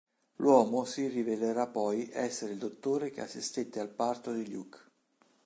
L'uomo si rivelerà poi essere il dottore che assistette al parto di Luke.